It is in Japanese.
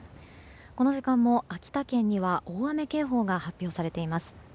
この時間も秋田県には大雨警報が発表されています。